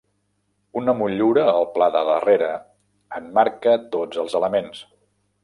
Una motllura al pla de darrere emmarca tots els elements.